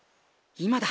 今だ！